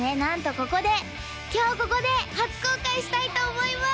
ここで今日ここで初公開したいと思います！